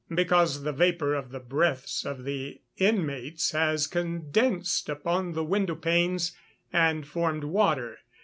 _ Because the vapour of the breaths of the inmates has condensed upon the window panes, and formed water.